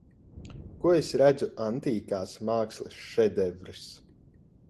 Ko es redzu Antīkās mākslas šedevrs.